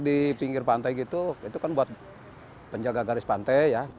di pinggir pantai itu kan buat penjaga garis pantai